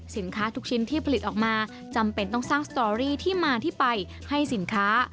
ทุกชิ้นที่ผลิตออกมาจำเป็นต้องสร้างสตอรี่ที่มาที่ไปให้สินค้า